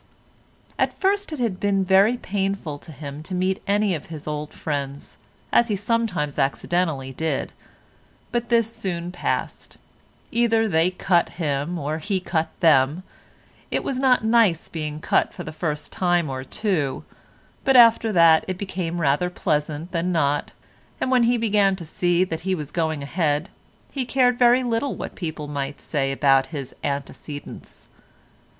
At first it had been very painful to him to meet any of his old friends, as he sometimes accidentally did, but this soon passed; either they cut him, or he cut them; it was not nice being cut for the first time or two, but after that, it became rather pleasant than not, and when he began to see that he was going ahead, he cared very little what people might say about his antecedents.